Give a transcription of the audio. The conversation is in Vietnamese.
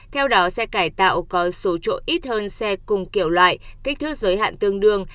theo đó xe cải tạo có số chỗ ít hơn xe cùng kiểu loại kích thước giới hạn tương đương